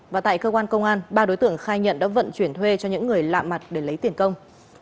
và tại cơ quan công an ba đối tượng khai nhận đã vận chuyển thuê cho những người lạ mặt để lấy tiền công